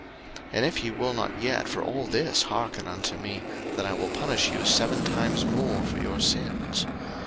03:026:018 And if ye will not yet for all this hearken unto me, then I will punish you seven times more for your sins.